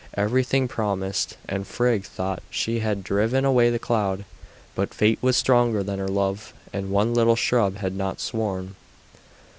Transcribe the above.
Everything promised, and Frigg thought she had driven away the cloud; but fate was stronger than her love, and one little shrub had not sworn.